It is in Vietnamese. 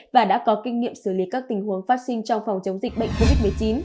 và đã có kinh nghiệm xử lý các tình huống phát sinh trong phòng chống dịch bệnh covid một mươi chín